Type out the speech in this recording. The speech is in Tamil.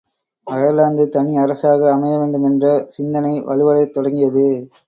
அயர்லாந்து தனி அரசாக அமைய வேண்டுமென்ற சிந்தனை வலுவடையத் தொடங்கியது.